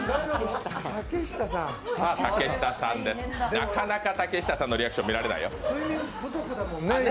なかなか竹下さんのリアクション見られないよ。